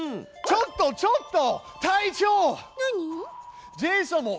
ちょっとちょっと！Ｗｈｙ！？